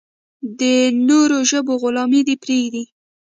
د نورو ژبو غلامي دې پرېږدي.